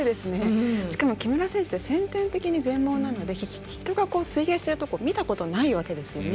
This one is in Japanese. しかも木村選手って先天的に全盲なので人が水泳しているところを見たことがないわけですよね。